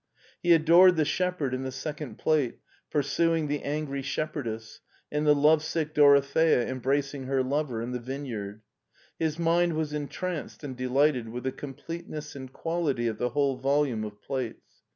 He adored the shepherd in the second plate, pursuing the ans; ry shepherdess, and the lovesick Dorothea embracing her lover in the vinejrard. His mind was entranced and delighted with the completeness and quality of tHe whole volume of plates.